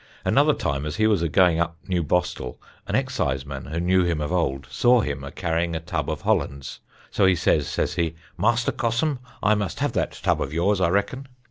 Another time as he was a going up New Bostall, an exciseman, who knew him of old, saw him a carrying a tub of hollands. So he says, says he, 'Master Cossum, I must have that tub of yours, I reckon!'